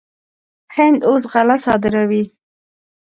هند اوس غله صادروي.